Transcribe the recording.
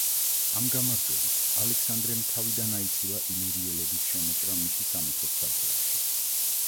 ამ გამარჯვებით ალექსანდრემ თავიდან აიცილა ილირიელების შემოჭრა მისი სამეფოს საზღვრებში.